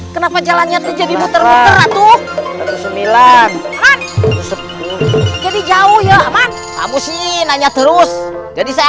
satu ratus tujuh kenapa jalannya jadi muter muter tuh sembilan ratus sepuluh jadi jauh ya aman kamu sih nanya terus jadi saya